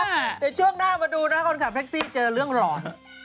ในช่วงหน้ามาดูนะคุณค่ะแพ็กซี่เจอเรื่องหล่อน